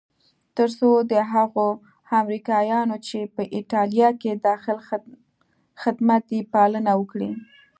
تر څو د هغو امریکایانو چې په ایټالیا کې داخل خدمت دي پالنه وکړي.